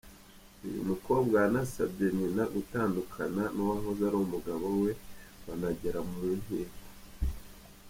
Uyu mukobwa yanasabye nyina gutandukana n’uwahoze ari umugabo we banagera mu nkiko.